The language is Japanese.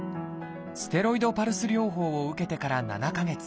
ステロイドパルス療法を受けてから７か月。